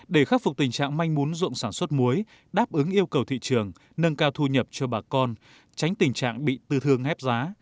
để khắc phục tình trạng manh muốn dụng sản xuất muối đáp ứng yêu cầu thị trường nâng cao thu nhập cho bà con tránh tình trạng bị tư thương hép giá